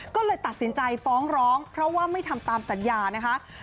ก็เลยตัดสินใจฟ้องร้องเพราะว่าไม่ทำตามสัญญานะคะ